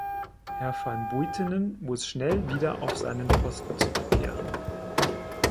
Herr Van Buitenen muss schnell wieder auf seinen Posten zurückkehren.